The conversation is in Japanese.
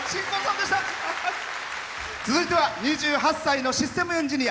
続いては２８歳のシステムエンジニア。